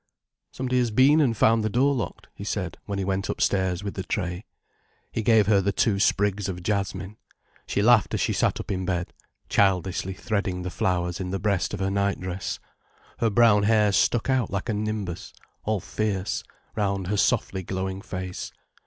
"Somebody has been and found the door locked," he said when he went upstairs with the tray. He gave her the two sprigs of jasmine. She laughed as she sat up in bed, childishly threading the flowers in the breast of her nightdress. Her brown hair stuck out like a nimbus, all fierce, round her softly glowing face.